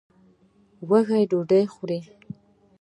لوږه ډوډۍ غواړي